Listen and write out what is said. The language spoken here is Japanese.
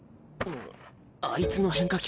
あいつの変化球